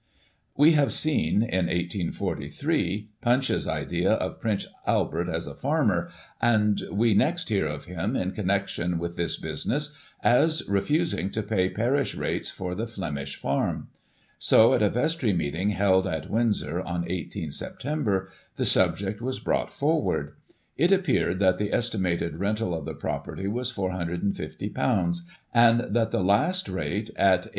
We have seen, in 1843, Punch's idea of Prince Albert as a farmer, and we next hear of him, in connection with this business, as refusing to pay paurish rates for the Flemish Farm ; so at a vestry meeting held at Windsor, on 1 8 Sep,, the subject was brought forward. It appeared that the estimated rental of the property was £^S^y ^^^^^^^ the last rate, at 8d.